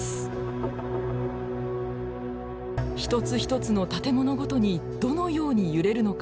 一つ一つの建物ごとにどのように揺れるのか